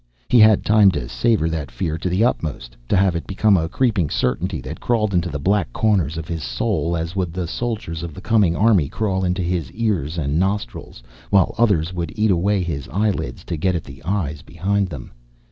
He had time to savor that fear to the uttermost, to have it become a creeping certainty that crawled into the black corners of his soul as would the soldiers of the coming army crawl into his ears and nostrils while others would eat away his eyelids to get at the eyes behind them.